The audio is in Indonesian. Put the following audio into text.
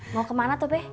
mau kemana tuh